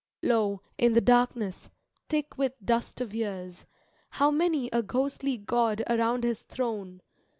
Lo, in the darkness, thick with dust of years. How many a ghostly god around his throne.